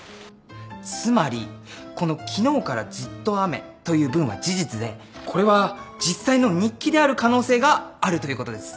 つまりこの「きのうからずっと雨」という文は事実でこれは実際の日記である可能性があるということです。